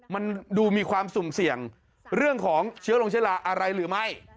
มันดูมีความสุ่มเสี่ยงเรื่องของเชื้อลงเชื้อราอะไรหรือไม่